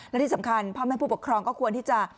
และที่สำคัญพ่อแม่ผู้ปกครองก็ควรที่จะ